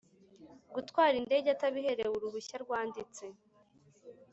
gutwara indege atabiherewe uruhushya rwanditse